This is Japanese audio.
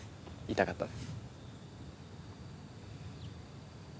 痛かったです。